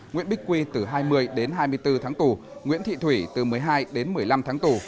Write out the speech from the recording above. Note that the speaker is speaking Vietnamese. nguyễn bích quỳ từ hai mươi hai mươi bốn tháng tù nguyễn thị thủy từ một mươi hai một mươi năm tháng tù